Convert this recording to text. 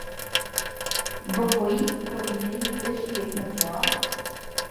بەهۆی پڕبینەری بەشی یەکەمیەوە